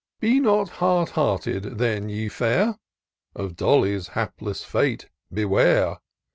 ' Be not hard hearted, then, ye fair! Of Dolly's hapless fate beware